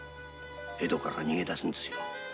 江戸から逃げ出すんですよ。